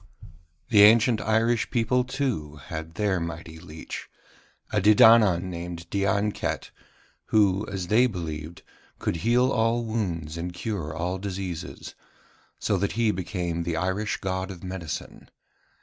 The ancient Irish people, too, had their mighty leech, a Dedannan named Dianket, who, as they believed, could heal all wounds and cure all diseases; so that he became the Irish God of Medicine.